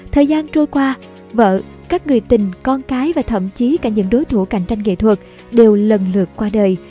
thời gian trôi qua vợ các người tình con cái và thậm chí cả những đối thủ cạnh tranh nghệ thuật đều lần lượt qua đời